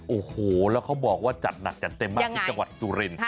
โอ้โหแล้วเขาบอกว่าจัดหนักจัดเต็มมากที่จังหวัดสุริน